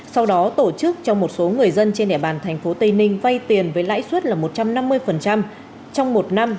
sau đó tổ chức cho một số người dân trên địa bàn tp tây ninh vay tiền với lãi suất là một trăm năm mươi trong một năm